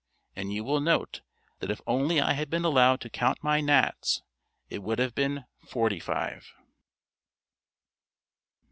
And you will note that if only I had been allowed to count my gnats, it would have been forty five.